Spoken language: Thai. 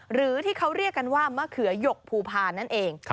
หรือที่เขาเรียกกันว่ามะเขือหยกภูพาลนั่นเอง